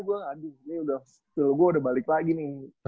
gue udah balik lagi nih